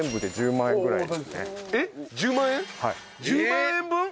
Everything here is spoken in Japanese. １０万円分！？